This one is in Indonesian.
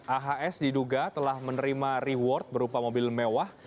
ahs diduga telah menerima reward berupa mobil mewah